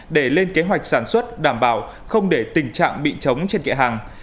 để lên kế hoạch sản xuất đảm bảo không để tình trạng bị chống trên kệ hàng